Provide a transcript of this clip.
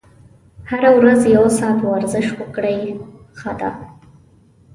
هره ورځ یو ساعت ورزش وکړئ ښه ده.